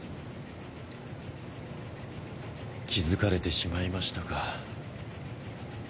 気付かれてしまいましたか。